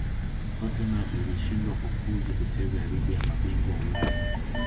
tottenham ilishindwa kufuzu kucheza ligi ya mabingwa ulaya